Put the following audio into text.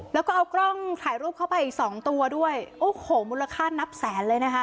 แล้วก็เอากล้องถ่ายรูปเข้าไปอีกสองตัวด้วยโอ้โหมูลค่านับแสนเลยนะคะ